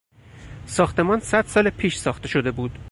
ساختمان صدسال پیش ساخته شده بود.